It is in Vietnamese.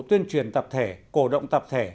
tuyên truyền tập thể cổ động tập thể